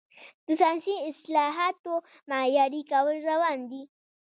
د ساینسي اصطلاحاتو معیاري کول روان دي.